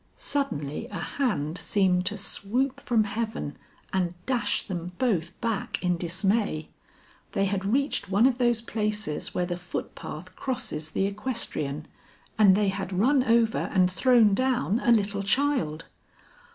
Suddenly a hand seemed to swoop from heaven and dash them both back in dismay. They had reached one of those places where the foot path crosses the equestrian and they had run over and thrown down a little child.